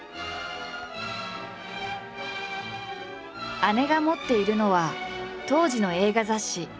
姉が持っているのは当時の映画雑誌。